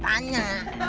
tidak kita tanya